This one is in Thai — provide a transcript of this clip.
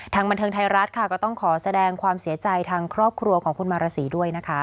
บันเทิงไทยรัฐค่ะก็ต้องขอแสดงความเสียใจทางครอบครัวของคุณมารสีด้วยนะคะ